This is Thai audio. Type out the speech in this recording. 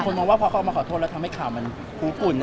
มองว่าพอเขาออกมาขอโทษแล้วทำให้ข่าวมันคุกุ่น